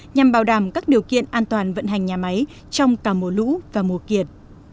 nhằm bảo đảm các điều kiện an toàn vận hành nhà máy trong cả mùa lũ và mùa kiệt